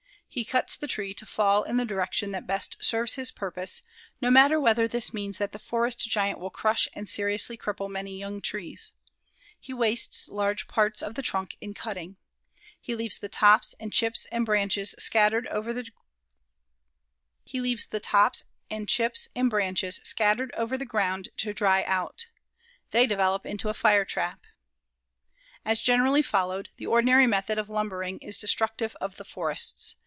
He cuts the tree to fall in the direction that best serves his purpose, no matter whether this means that the forest giant will crush and seriously cripple many young trees. He wastes large parts of the trunk in cutting. He leaves the tops and chips and branches scattered over the ground to dry out. They develop into a fire trap. As generally followed, the ordinary method of lumbering is destructive of the forests.